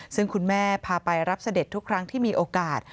ซึ่งคุณแม่พาไปรับเสด็จทุกครั้งที่มีโอกาส